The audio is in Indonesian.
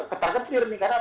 ketar ketir nih karena